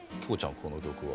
この曲は？